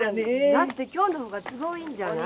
だって今日のほうが都合いいんじゃない？